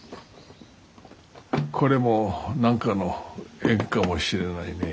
これも何かの縁かもしれないね。